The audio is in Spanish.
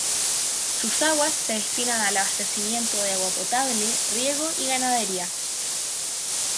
Sus aguas se destinan al abastecimiento de agua potable, riego y ganadería.